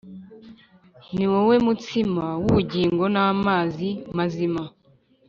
Niwowe mutsima w’ubugingo n’amazi mazima